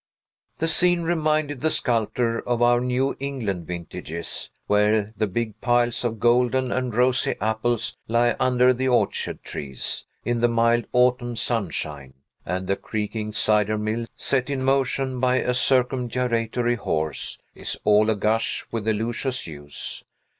The scene reminded the sculptor of our New England vintages, where the big piles of golden and rosy apples lie under the orchard trees, in the mild, autumnal sunshine; and the creaking cider mill, set in motion by a circumgyratory horse, is all a gush with the luscious juice.